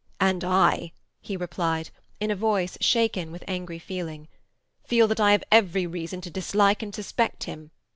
"And I," he replied, in a voice shaken with angry feeling, "feel that I have every reason to dislike and suspect him.